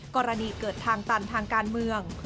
กรณีเกิดทางตันทางการเมือง